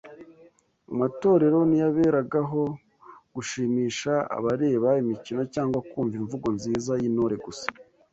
Amatorero ntiyaberagaho gushimisha abareba imikino cyangwa kumva imvugo nziza y’intore gusa